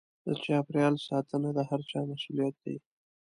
د چاپېريال ساتنه د هر چا مسووليت دی.